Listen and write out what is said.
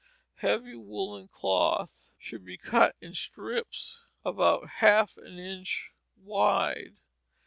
Heavy woollen cloth should be cut in strips about half an inch wide.